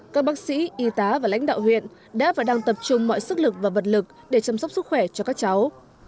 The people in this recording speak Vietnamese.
các bác sĩ y tá và lãnh đạo huyện đã và đang tập trung mọi sức lực và vật lực để chăm sóc sức khỏe cho các cháu